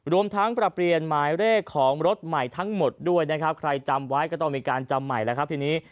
รวมทั้งปรับเปลี่ยนหมายเลขของรถใหม่ทั้งหมดด้วยนะครับใครจำไว้ก็ต้องมีการจำใหม่แล้วครับทีนี้